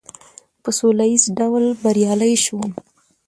په سوله ایز ډول بریالی شوم.